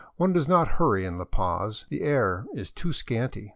One does not hurry in La Paz ; the air is too scanty.